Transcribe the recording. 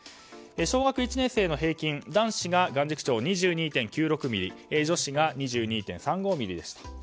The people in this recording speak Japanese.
小学１年生の平均男子が眼軸長２２．９６ミリ女子が２２．３５ミリでした。